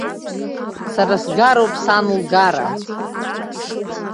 Сара сгароуп сан лгара.